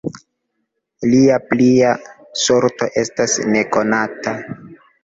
Lia plia sorto estas nekonata.